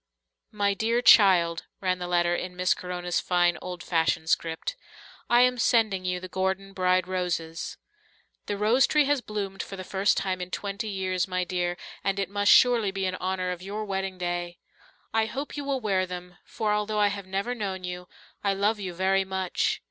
"My dear child," ran the letter in Miss Corona's fine, old fashioned script. "I am sending you the Gordon bride roses. The rose tree has bloomed for the first time in twenty years, my dear, and it must surely be in honour of your wedding day. I hope you will wear them for, although I have never known you, I love you very much.